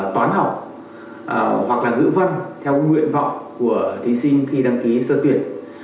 toán học hoặc là ngữ văn theo nguyện vọng của thí sinh khi đăng ký sơ tuyển